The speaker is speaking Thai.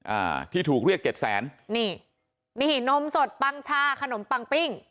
อ่าที่ถูกเรียกเจ็ดแสนนี่นี่นมสดปังชาขนมปังปิ้ง